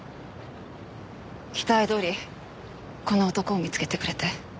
期待どおりこの男を見つけてくれて。